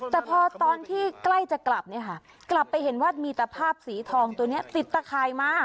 แต่พอตอนที่ใกล้จะกลับเนี่ยค่ะกลับไปเห็นว่ามีตะภาพสีทองตัวนี้ติดตะข่ายมา